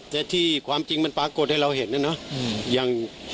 แต่ที่ความจริงมันปรากฏให้เราเห็นนะเนาะ